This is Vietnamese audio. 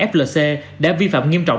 flc đã vi phạm nghiêm trọng